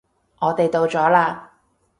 我哋到咗喇